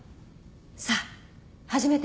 さあ始めて。